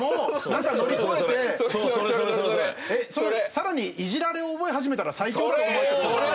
さらにイジられを覚え始めたら最強だと思われてるんですか？